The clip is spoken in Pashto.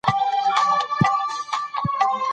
د زده کړې مور د کورنۍ لپاره د پوهې سرچینه ده.